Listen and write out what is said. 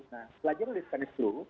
nah pelajaran ini kan itu